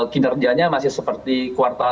kinerjanya masih seperti kuartal